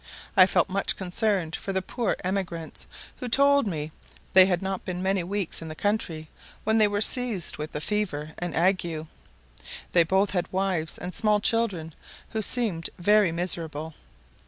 I felt much concerned for the poor emigrants, who told me they had not been many weeks in the country when they were seized with the fever and ague. They both had wives and small children, who seemed very miserable.